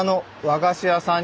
和菓子屋さん。